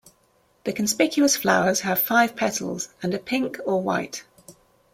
The conspicuous flowers have five petals, and are pink or white.